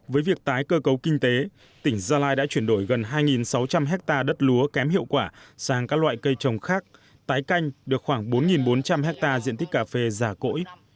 với việc tái cơ cấu kinh tế tỉnh gia lai đã chuyển đổi gần hai sáu trăm linh hectare đất lúa kém hiệu quả sang các loại cây trồng khác tái canh được khoảng bốn bốn trăm linh hectare diện tích cà phê già cỗi